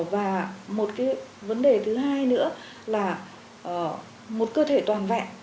và một cái vấn đề thứ hai nữa là một cơ thể toàn vẹn